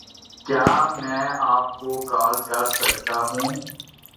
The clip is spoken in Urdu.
کیا میں آپ کو کال کر سکتا ہوں